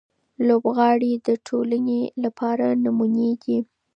لوبغاړي د ټولنې لپاره نمونې دي.